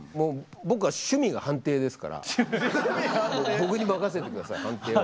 僕は趣味が判定ですから僕に任せて下さい判定は。